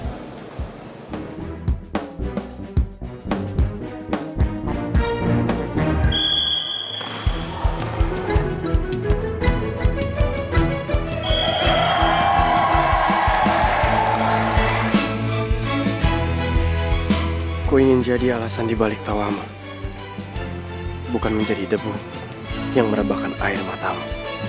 aku ingin jadi alasan dibalik tawamu bukan menjadi debu yang merebakkan air matamu